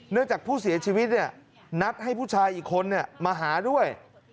จากผู้เสียชีวิตนัดให้ผู้ชายอีกคนมาหาด้วย